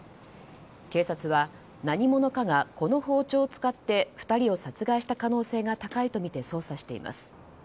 警察は、何者かがこの包丁を使って２人を殺害した可能性が高いとみて捜査しています。